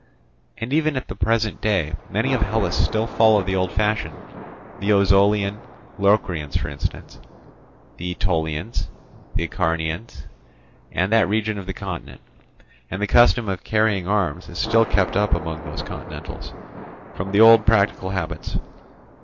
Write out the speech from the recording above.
And even at the present day many of Hellas still follow the old fashion, the Ozolian Locrians for instance, the Aetolians, the Acarnanians, and that region of the continent; and the custom of carrying arms is still kept up among these continentals, from the old piratical habits.